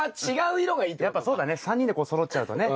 やっぱそうだね３人でこうそろっちゃうとね。